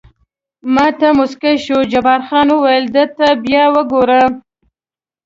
ما ته موسکی شو، جبار خان وویل: ده ته بیا وګوره.